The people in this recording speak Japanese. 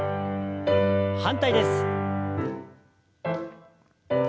反対です。